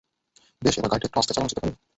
বেশ, এবার গাড়িটা একটু আস্তে চালানো যেতে পারে?